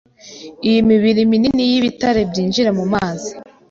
Iyi mibiri minini yibitare byinjira mumazi